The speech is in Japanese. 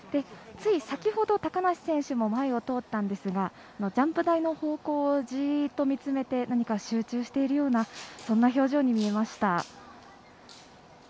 つい先ほど、高梨選手も前を通ったんですがジャンプ台の方向をじっと見つめて何か集中しているようなそんな表情に見えました。